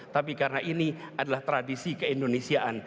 tapi karena ini adalah tradisi keindonesiaan